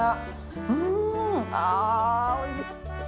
うーん、あー、おいしい。